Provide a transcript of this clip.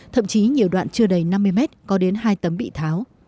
thậm chí nhiều đoạn chưa đầy năm mươi mét có đến hai tấm bị tháo